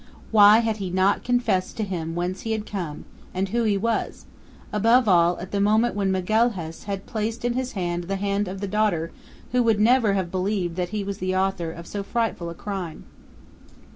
Why had he not confessed to him whence he had come, and who he was above all, at the moment when Magalhaës had place in his hand the hand of the daughter who would never have believed that he was the author of so frightful a crime.